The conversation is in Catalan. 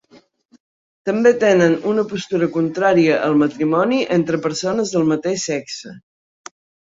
També tenen una postura contrària al matrimoni entre persones del mateix sexe.